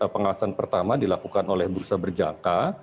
pengawasan pertama dilakukan oleh bursa berjangka